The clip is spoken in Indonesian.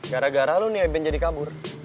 gara gara lu nih eben jadi kabur